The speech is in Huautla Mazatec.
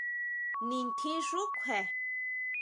Nintjin xú kjue.